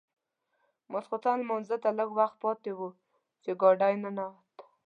ماخوستن لمانځه ته لږ وخت پاتې و چې ګاډی ننوت.